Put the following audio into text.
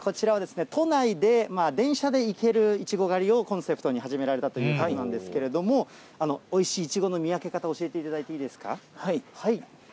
こちらは、都内で電車で行けるいちご狩りをコンセプトに始められたということなんですけれども、おいしいいちごの見分け方、教えていただい